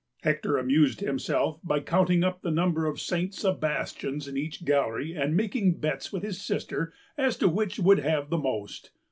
Hector amused himself by counting up the number of St. Sebastians in each gallery and making bets p. xiiiwith his sister as to which would have the most.